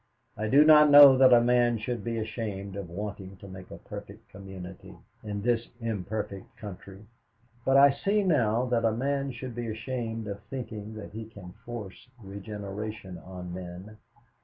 I do not know that a man should be ashamed of wanting to make a perfect community in this imperfect country, but I see now that a man should be ashamed of thinking that he can force regeneration on men.